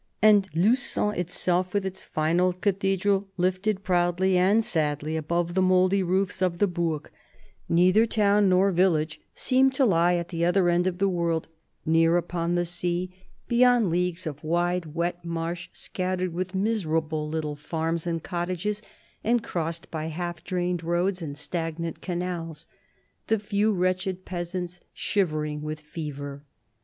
And Lugon itself, with its fine old cathedral lifted proudly and sadly above the mouldy roofs of the bourg, neither town nor village, seemed to lie at the other end of the world, near upon the sea, beyond leagues of 38 THE BISHOP OF LUQON 39 wide wet marsh scattered with miserable little farms and cottages and crossed by half drained roads and stagnant canals, the few wretched peasants shivering with fever.